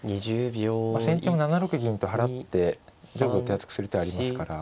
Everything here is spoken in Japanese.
先手も７六銀と払って上部を手厚くする手ありますから。